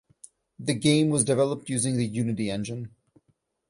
The game was developed using the Unity engine.